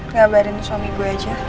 ngabarin suami gue aja